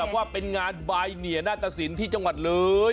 ว่าเป็นงานบายเหนียนาตสินที่จังหวัดเลย